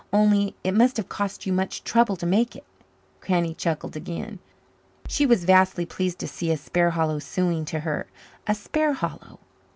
Only it must have cost you much trouble to make it." Granny chuckled again. She was vastly pleased to see a Sparhallow suing to her a Sparhallow!